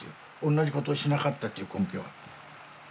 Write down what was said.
同じことをしなかったっていう根拠は。